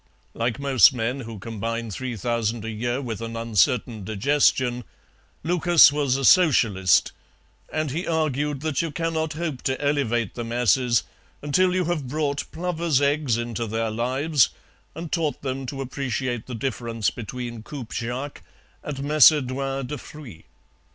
Like most men who combine three thousand a year with an uncertain digestion, Lucas was a Socialist, and he argued that you cannot hope to elevate the masses until you have brought plovers' eggs into their lives and taught them to appreciate the difference between coupe Jacques and Macédoine de fruits.